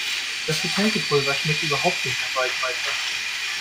Das Getränkepulver schmeckt überhaupt nicht nach Waldmeister.